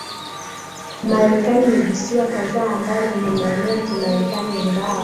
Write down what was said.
Marekani ni visiwa kadhaa ambavyo ni maeneo ya Kimarekani ingawa